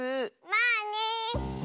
まあね。